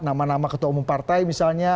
nama nama ketua umum partai misalnya